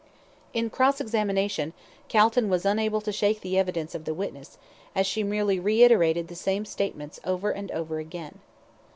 In cross examination, Calton was unable to shake the evidence of the witness, as she merely reiterated the same statements over and over again.